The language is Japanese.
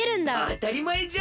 あたりまえじゃ！